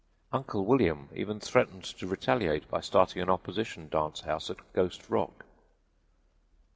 Uncle William even threatened to retaliate by starting an opposition dance house at Ghost Rock.